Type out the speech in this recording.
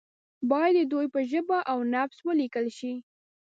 باید د دوی په ژبه او نبض ولیکل شي.